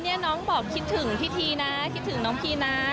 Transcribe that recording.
นี่น้องบอกคิดถึงพี่ทีนะคิดถึงน้องพีนะ